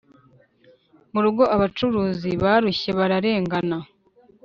murugo abacuruzi barushye bararengana,